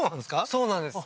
そうなんです